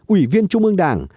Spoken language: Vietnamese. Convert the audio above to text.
ủy viên trung ương đảng